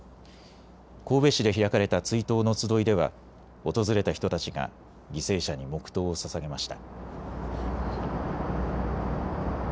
神戸市で開かれた追悼のつどいでは訪れた人たちが犠牲者に黙とうをささげました。